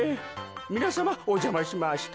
みなさまおじゃましました。